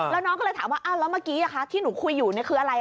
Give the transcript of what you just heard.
แล้วน้องก็เลยถามว่าอ้าวแล้วเมื่อกี้ที่หนูคุยอยู่คืออะไร